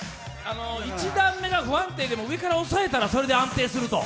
１段目が不安定でも上から押さえたらそれで安定すると？